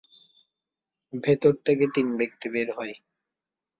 ভেতর থেকে তিন ব্যক্তি বের হয়।